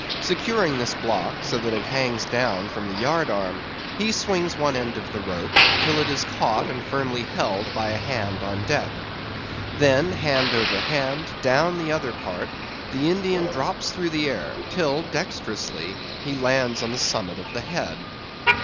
Securing this block, so that it hangs down from the yard arm, he swings one end of the rope, till it is caught and firmly held by a hand on deck. Then, hand over hand, down the other part, the Indian drops through the air, till dexterously he lands on the summit of the head.